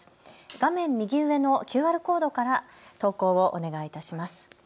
画面右上のＱＲコードから投稿をお願いいたします。